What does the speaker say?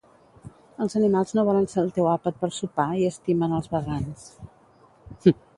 Els animals no volen ser el teu àpat per sopar i estimen als vegans